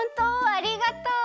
ありがとう！